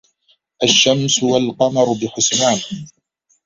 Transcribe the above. الشَّمسُ وَالقَمَرُ بِحُسبانٍ